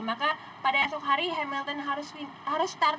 maka pada esok hari hamilton harus start